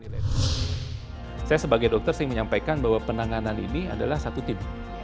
saya sebagai dokter sering menyampaikan bahwa penanganan ini adalah satu tim